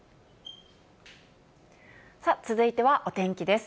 続いてはお天気です。